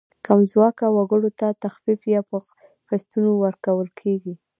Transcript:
کم ځواکه وګړو ته تخفیف یا په قسطونو ورکول کیږي.